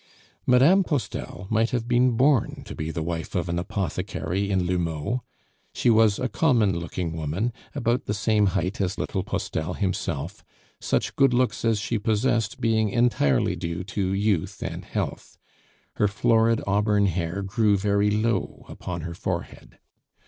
Mme. Postel might have been born to be the wife of an apothecary in L'Houmeau. She was a common looking woman, about the same height as little Postel himself, such good looks as she possessed being entirely due to youth and health. Her florid auburn hair grew very low upon her forehead.